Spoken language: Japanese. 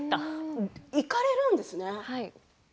行かれるんですね。